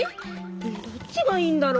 どっちがいいんだろ？